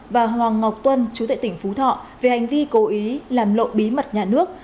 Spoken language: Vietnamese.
và hoàng ngọc tuân chú tệ tỉnh phú thọ về hành vi cố ý làm lộ bí mật nhà nước